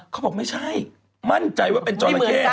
เขาบอกไม่ใช่มั่นใจว่าเป็นจราเข้